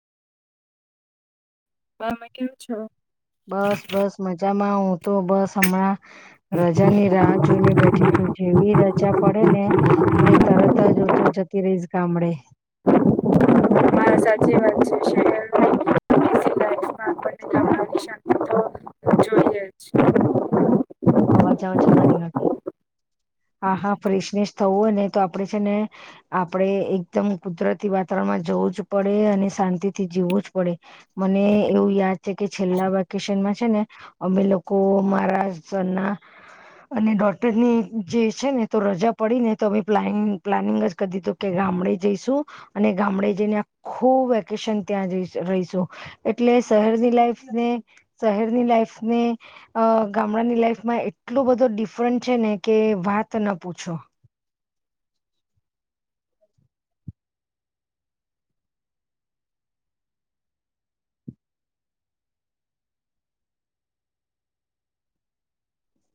તમે કેમ છો? બસ બસ મજામાં હું તો બસ હમણાં રજા ની રાહ જોઈને બેઠી છું. જેવી રજા પડે ને એટલે તરત જ હું તો જતી રહીશ ગામડે સાચી વાત છે. [unintelligible] જોઈએ અવાજ અવા છે મારી ઐયાતો. હા હા વફ્રેશનેશ થવું હોય ને તો આપડે છે ને, આપણે એકદમ કુદરતી વાતાવરણમાં જવું જ પડે, અને શાંતિ થી જીવું જ પડે. મને એવું યાદ છે કે, છેલ્લા વેકેશનમાં છે ને અમે લોકો મારા સરના અને ડોટરની જે છે ને તો રજા પડી ને તો અમે પ્લાનિ પ્લાનિંગ જ કરી દીધું કે, ગામડે જઈશું. અને ગામડે જઈને આખું વેકેશન ત્યાં રહ રહીશું. એટલે શહેરની લાઈફને શહેરની લાઈફને અ ગા હમણાંની લાઈફમાં એટલો બધો ડિફરન્ટ છે ને કે, વાત ન પૂછો